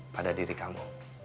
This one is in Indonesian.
pada diri kamu